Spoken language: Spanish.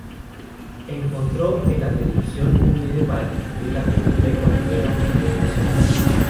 Encontró en la televisión un medio para difundir la cultura ecuatoriana a nivel nacional.